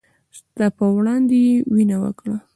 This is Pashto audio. ستا په وړاندې يې وينه وکړه